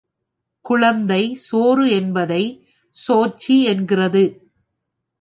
குழந்தை சோறு என்பதை, சோச்சி என்கிறது.